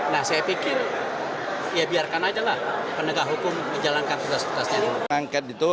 nah saya pikir ya biarkan aja lah penegak hukum menjalankan tugas tugasnya itu